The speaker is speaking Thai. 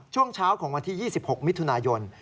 ช่วงเช้าของวันที่๒๖มิถุนายน